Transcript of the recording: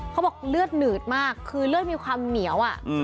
เขาบอกเลือดหนืดมากคือเลือดมีความเหนียว